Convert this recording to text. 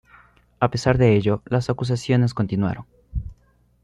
A pesar de ello, las acusaciones continuaron.